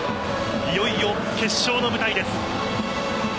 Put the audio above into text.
いよいよ決勝の舞台です。